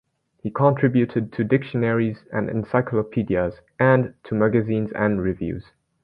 He contributed to dictionaries and encyclopedias and to magazines and reviews.